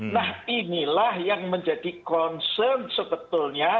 nah inilah yang menjadi concern sebetulnya